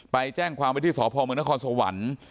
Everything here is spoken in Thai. ไปแจ้งความไว้ที่สพมนครสวรรค์